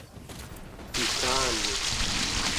ikani